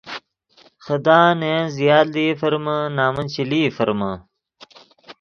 خدان نے ین زیات لئی فرمے نمن چے لئی فرمے